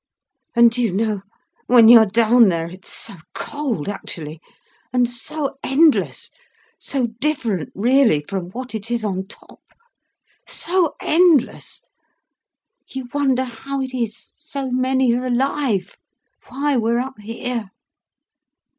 "And do you know, when you are down there, it is so cold, actually, and so endless, so different really from what it is on top, so endless—you wonder how it is so many are alive, why we're up here.